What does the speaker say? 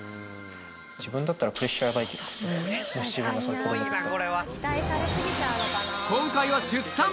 もし自分が子供だったら。